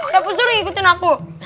siapa suruh ngikutin aku